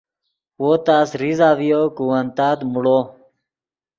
وو تس ریزہ ڤیو کہ ون تات موڑو